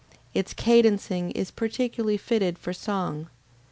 Its cadencing is peculiarly fitted for song.